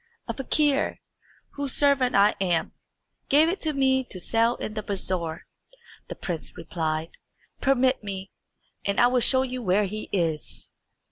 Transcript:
"A fakir, whose servant I am, gave it to me to sell in the bazaar," the prince replied. "Permit me, and I will show you where he is."